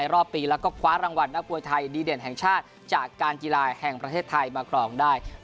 รอบปีแล้วก็คว้ารางวัลนักมวยไทยดีเด่นแห่งชาติจากการกีฬาแห่งประเทศไทยมาครองได้